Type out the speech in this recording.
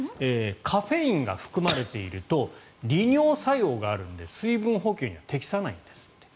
カフェインが含まれていると利尿作用があるので水分補給には適さないんですって。